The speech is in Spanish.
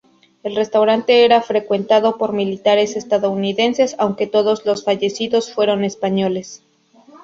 El restaurante era frecuentado por militares estadounidenses aunque todos los fallecidos fueron españoles.